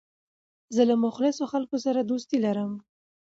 زه له مخلصو خلکو سره دوستي لرم.